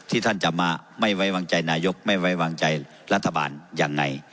ท่านจะมาไม่ไว้วางใจนายกไม่ไว้วางใจรัฐบาลยังไง